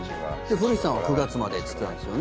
古市さんは９月までって言ってたんですよね。